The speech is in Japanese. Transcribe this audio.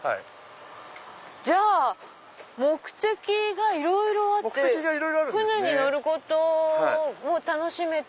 じゃあ目的がいろいろあって船に乗ることも楽しめて。